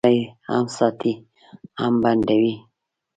رسۍ هم ساتي، هم بندوي.